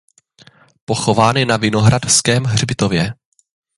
Pochován je na vinohradském hřbitově.